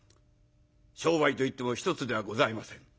商売といっても１つではございません。